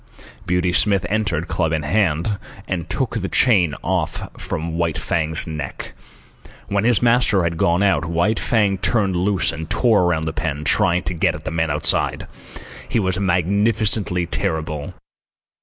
Beauty Smith entered, club in hand, and took the chain off from White Fang's neck. When his master had gone out, White Fang turned loose and tore around the pen, trying to get at the men outside. He was magnificently terrible.